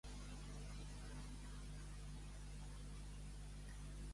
A caragol i a caragolí, res d'aigua: vi!